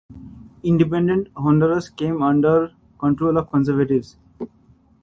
Independent Honduras came under control of the conservatives.